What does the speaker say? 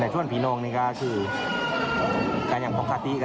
ใช่ครับ